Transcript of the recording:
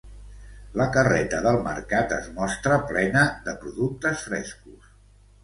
La carreta del mercat es mostra plena de productes frescos.